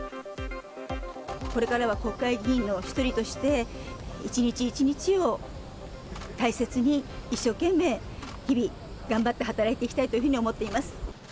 これからは国会議員の１人として、一日一日を大切に、一生懸命、日々頑張って働いていきたいと思います。